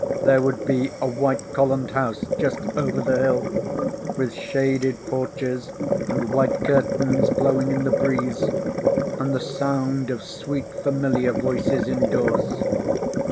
There would be a white columned house just over the hill, with shaded porches and white curtains blowing in the breeze and the sound of sweet, familiar voices indoors.